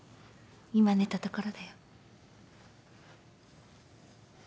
今寝たところだよ。